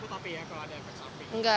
gak tetapi ya kalau ada efek samping